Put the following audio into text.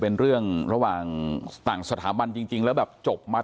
ตอนนั้นก็มีลูกชายไว้๒๐วันที่แม่ยายอุ้มอยู่